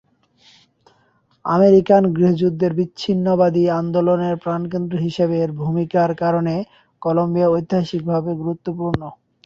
American গৃহযুদ্ধের বিচ্ছিন্নতাবাদী আন্দোলনের প্রাণকেন্দ্র হিসেবে এর ভূমিকার কারণে কলাম্বিয়া ঐতিহাসিকভাবে গুরুত্বপূর্ণ।